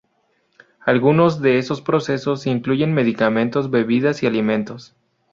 Algunos de esos procesos incluyen medicamentos, bebidas y alimentos.